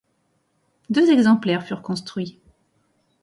Deux exemplaires furent construits.